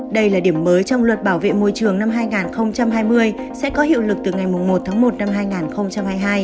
đây là điểm mới trong luật bảo vệ môi trường năm hai nghìn hai mươi sẽ có hiệu lực từ ngày một tháng một năm hai nghìn hai mươi hai